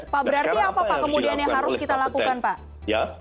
pak berarti apa pak kemudian yang harus kita lakukan pak